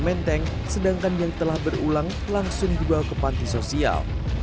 menteng sedangkan yang telah berulang langsung dibawa ke panti sosial